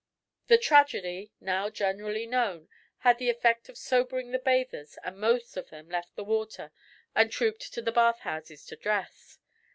The tragedy, now generally known, had the effect of sobering the bathers and most of them left the water and trooped to the bathhouses to dress.